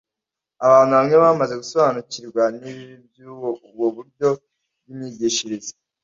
Abantu bamwe bamaze gusobanukirwa n’ibibi by’ubwo buryo bw’imyigishirize